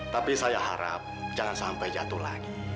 tapi saya harap jangan sampai jatuh lagi